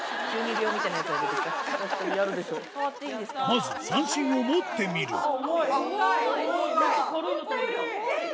まず三線を持ってみるえっ